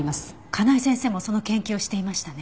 香奈枝先生もその研究をしていましたね。